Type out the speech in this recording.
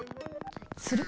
する？